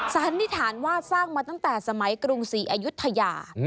สันนิษฐานว่าสร้างมาตั้งแต่สมัยกรุงศรีอายุทยา